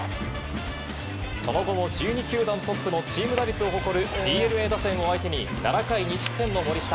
その後も１２球団トップのチーム打率を誇るＤｅＮＡ打線を相手に７回２失点の森下。